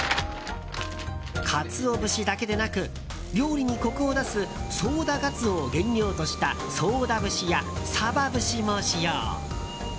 カツオ節だけでなく料理にコクを出すソウダガツオを原料としたソウダ節やサバ節も使用。